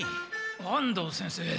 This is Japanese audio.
安藤先生